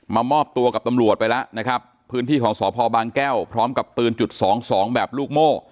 มอบตัวกับตำรวจไปแล้วนะครับพื้นที่ของสพบางแก้วพร้อมกับปืนจุดสองสองแบบลูกโม่